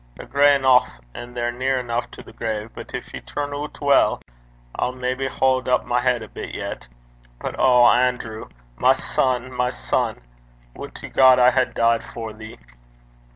They're gray eneuch, and they're near eneuch to the grave, but gin ye turn oot weel, I'll maybe haud up my heid a bit yet. But O Anerew! my son! my son! Would God I had died for thee!'